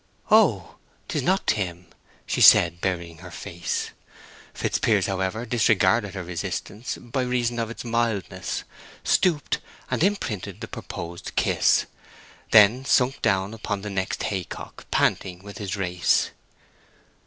"Oh, 'tis not Tim!" said she, burying her face. Fitzpiers, however, disregarded her resistance by reason of its mildness, stooped and imprinted the purposed kiss, then sunk down on the next hay cock, panting with his race.